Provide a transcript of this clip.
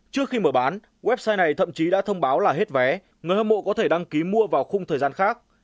trước khi mở bán website này thậm chí đã thông báo là hết vé người hâm mộ có thể đăng ký mua vào khung thời gian khác